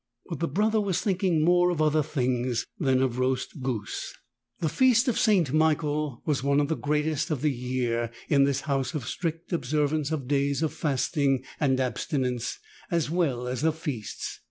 But the Brother was thinking more of other things than of roast goose. 26 The feast of St. Michael was one of the greatest of the year in this house of strict observance of days of fasting and abstinence, as well as of feasts.